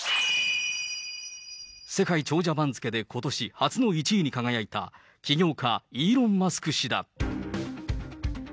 世界長者番付でことし初の１位に輝いた、起業家、イーロン・マスク氏だ。